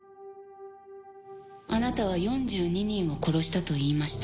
救ったあなたは４２人を殺したと言いました。